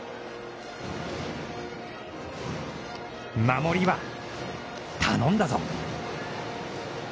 守りは、頼んだぞ。